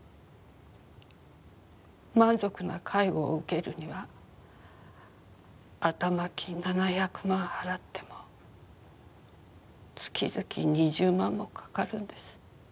満足な介護を受けるには頭金７００万払っても月々２０万もかかるんです。